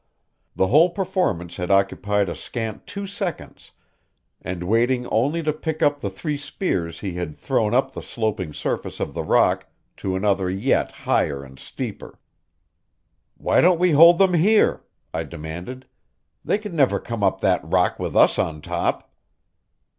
The whole performance had occupied a scant two seconds, and, waiting only to pick up the three spears he had thrown up the sloping surface of the rock to another yet higher and steeper. "Why don't we hold them here?" I demanded. "They could never come up that rock with us on top."